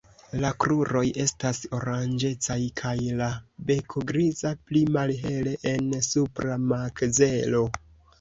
La kruroj estas oranĝecaj kaj la beko griza, pli malhele en supra makzelo.